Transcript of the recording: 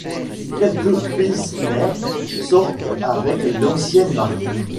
Quelques Pilsner sortent avec l'ancienne marque.